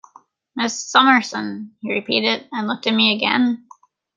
"Miss Summerson," he repeated, and looked at me again.